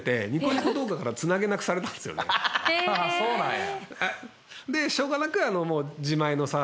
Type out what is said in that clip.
そうなんや。